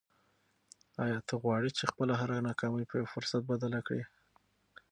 آیا ته غواړې چې خپله هره ناکامي په یو فرصت بدله کړې؟